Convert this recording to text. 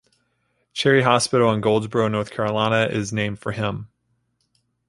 Cherry Hospital in Goldsboro, North Carolina, is named for him.